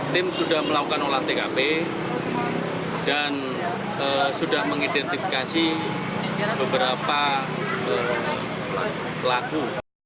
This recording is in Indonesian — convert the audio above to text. tim sudah melakukan olah tkp dan sudah mengidentifikasi beberapa pelaku